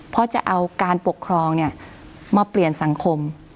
เพราะจะเอาการปกครองมาเปลี่ยนสังคม